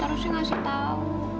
harusnya ngasih tahu